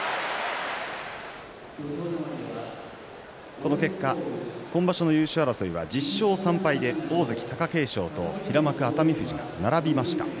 この結果、今場所の優勝争いは１０勝３敗で大関貴景勝と平幕熱海富士が並びました。